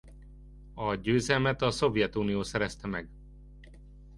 A győzelmet a Szovjetunió szerezte meg.